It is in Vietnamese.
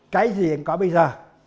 cái gì anh có bây giờ